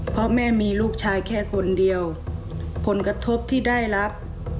เพราะแม่มีลูกชายแค่คนเดียวผลกระทบที่ได้รับ